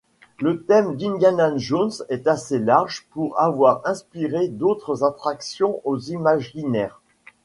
Le thème d'Indiana Jones est assez large pour avoir inspiré d'autres attractions aux Imagineers.